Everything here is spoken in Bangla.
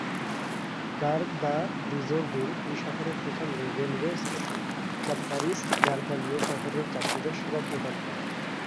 গার দ্য দিজোঁ-ভিল এই শহরের প্রধান রেলওয়ে স্টেশন, যা প্যারিস-গার দ্য লিওঁ শহরের যাত্রীদের সেবা প্রদান করে।